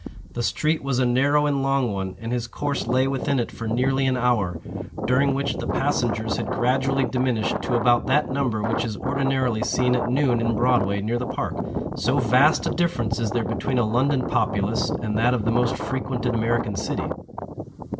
The street was a narrow and long one, and his course lay within it for nearly an hour, during which the passengers had gradually diminished to about that number which is ordinarily seen at noon in Broadway near the park—so vast a difference is there between a London populace and that of the most frequented American city.